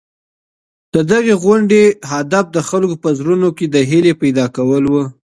د دغي غونډې هدف د خلکو په زړونو کي د هیلې پیدا کول وو.